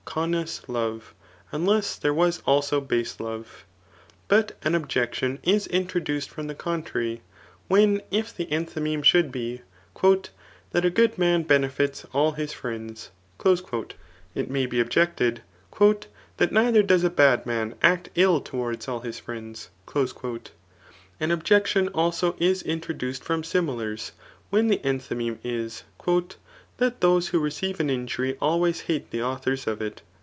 CMmas hue,* unless there was also base Iove« But an objecliiai is introduced frOm the contrary ; when^ if the «nthyteeaie should be, ^^ That a good man beneto all his friends ;'' it may be objected, " That neither does a bad man act ill towards, all his friends." ' An objection also is intro duced from smilars^ when the endiymeme is, ^* That those who receive an injury always hate Qhe authors of it.